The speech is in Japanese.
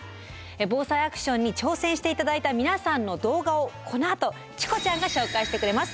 「ＢＯＳＡＩアクション」に挑戦して頂いた皆さんの動画をこのあとチコちゃんが紹介してくれます。